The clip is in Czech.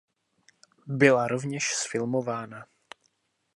Byla rovněž zfilmována.